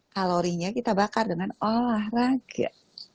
kalorinya kita bakar dengan olahraga